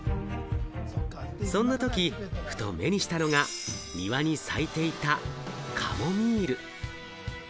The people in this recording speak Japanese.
そんな時、ふと目にしたのが庭に咲いていたカモミール。